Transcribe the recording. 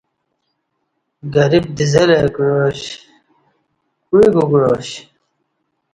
گریب دزہ لہ کعاش کوعی کو کعاش